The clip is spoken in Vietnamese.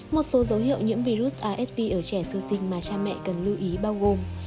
một số dấu hiệu nhiễm virus asv ở trẻ sơ sinh mà cha mẹ cần lưu ý bao gồm